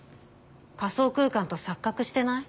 仮想空間と錯覚してない？